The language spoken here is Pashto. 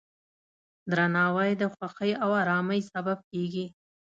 درناوی د خوښۍ او ارامۍ سبب کېږي.